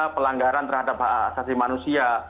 pelanggaran terhadap hak asasi manusia